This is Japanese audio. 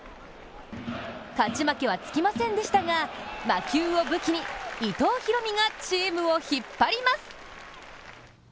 勝ち負けはつきませんでしたが魔球を武器に伊藤大海がチームを引っ張ります。